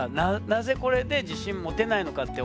なぜこれで自信持てないのかって